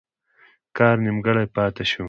کار نیمګړی پاته شو.